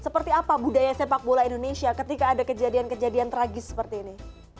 seperti apa budaya sepak bola indonesia ketika ada kejadian kejadian tragis seperti ini